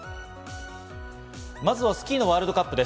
まずはスキーワールドカップです。